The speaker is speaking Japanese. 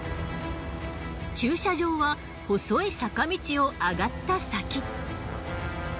駐車場は細い坂道を上がった先。